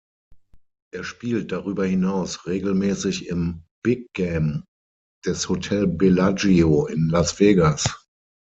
Er spielt darüber hinaus regelmäßig im "Big Game" des Hotel Bellagio in Las Vegas.